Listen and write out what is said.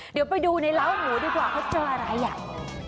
เดี๋ยวไปดูในล้าวหมูดีกว่าเค้าเจออะไรอย่าง